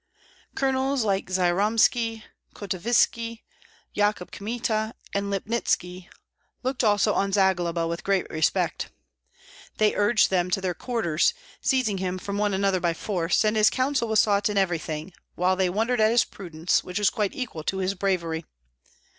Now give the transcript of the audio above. Colonels like Jyromski, Kotovski, Yakub Kmita, and Lipnitski looked also on Zagloba with great respect. They urged him to their quarters, seizing him from one another by force; and his counsel was sought in everything, while they wondered at his prudence, which was quite equal to his bravery.